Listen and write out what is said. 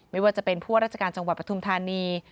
ไม่ว่าจะเป็นผู้ว่าราชการจังหวัดปทุมธานี